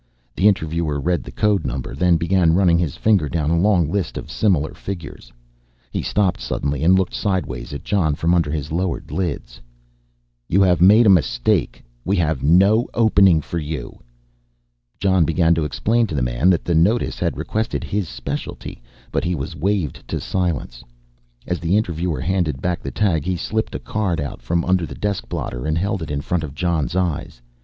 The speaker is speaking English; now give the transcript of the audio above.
The interviewer read the code number, then began running his finger down a long list of similar figures. He stopped suddenly and looked sideways at Jon from under his lowered lids. "You have made a mistake, we have no opening for you." Jon began to explain to the man that the notice had requested his specialty, but he was waved to silence. As the interviewer handed back the tag he slipped a card out from under the desk blotter and held it in front of Jon's eyes.